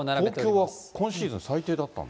東京は今シーズン最低だったんだ。